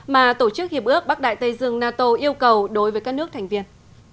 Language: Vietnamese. mà tổ chức hiệp ước bắc đại tây dương nato yêu cầu đối với các nước thành viên